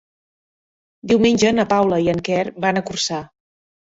Diumenge na Paula i en Quer van a Corçà.